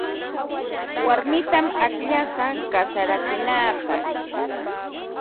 Warmitam akllashaq kasarakunaapaq.